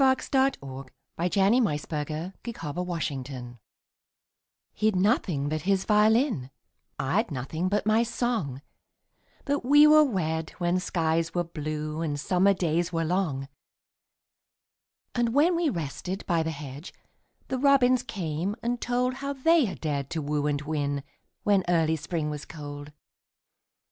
By Mary KyleDallas 1181 He 'd Nothing but His Violin HE 'D nothing but his violin,I 'd nothing but my song, But we were wed when skies were blueAnd summer days were long; And when we rested by the hedge, The robins came and toldHow they had dared to woo and win, When early Spring was cold.